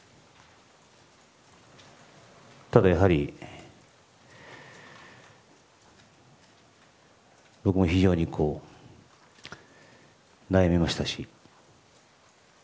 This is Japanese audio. ただ、やはり僕も非常に悩みましたし。